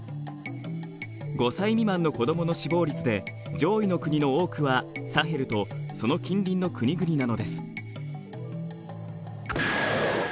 ５歳未満の子どもの死亡率で上位の国の多くはサヘルとその近隣の国々なのです。